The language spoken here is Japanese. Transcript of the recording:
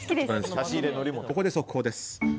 ここで速報です。